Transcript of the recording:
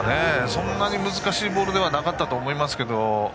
そんなに難しいボールじゃなかったと思いますけど。